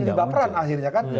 dibaperan akhirnya kan